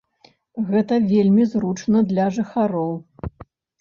Гэта вельмі зручна для жыхароў.